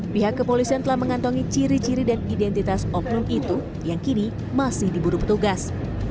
pihak kepolisian telah mengantongi ciri ciri dan identitas oknum itu yang kini masih diburu petugas